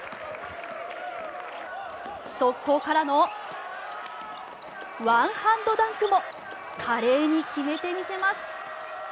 速攻からのワンハンドダンクも華麗に決めてみせます。